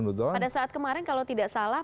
pada saat kemarin kalau tidak salah